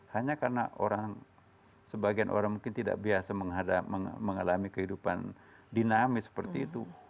hanya karena orang sebagian orang mungkin tidak biasa mengalami kehidupan dinamis seperti itu